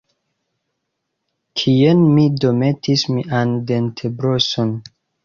Kien mi do metis mian dentbroson?